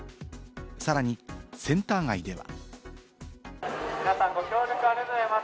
さらにセンター街では。